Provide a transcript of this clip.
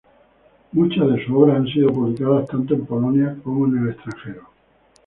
Muchas de sus obras han sido publicadas tanto en Polonia como en el extranjero.